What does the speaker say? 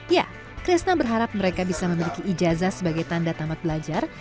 ya krisna berharap mereka bisa memiliki ijazah sebagai tanda tamat belajar